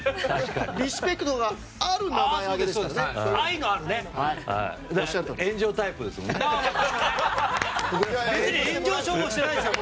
リスペクトがあるから名前を挙げるんですからね。